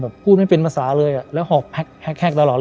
แบบพูดไม่เป็นภาษาเลยอ่ะแล้วหอบแฮ็กแฮ็กตลอดเลย